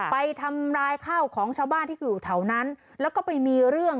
ไปทำร้ายข้าวของชาวบ้านที่อยู่แถวนั้นแล้วก็ไปมีเรื่อง